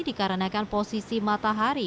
dikarenakan posisi matahari